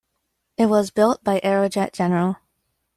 It was built by Aerojet General.